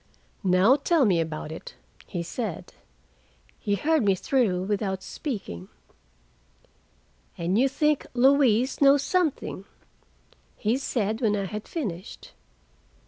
"Now tell me about it," he said. He heard me through without speaking. "And you think Louise knows something?" he said when I had finished.